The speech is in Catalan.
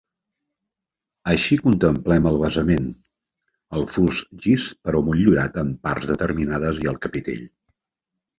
Així contemplem el basament, el fust llis però motllurat en parts determinades i el capitell.